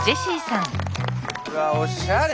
うわあおしゃれ！